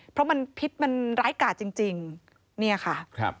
เพราะมันพิษมันร้ายกาจจริงนี่ค่ะ